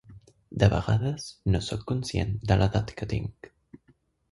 De vegades no soc conscient de l'edat que tinc